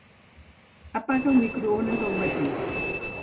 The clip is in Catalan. Apaga el microones al matí.